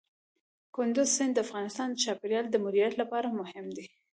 کندز سیند د افغانستان د چاپیریال د مدیریت لپاره مهم دی.